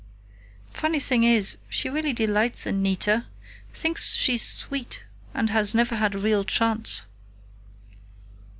Funny thing is, she really delights in Nita. Thinks she's sweet and has never had a real chance."